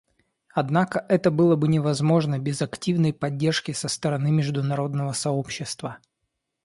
Однако это было бы невозможно без активной поддержки со стороны международного сообщества.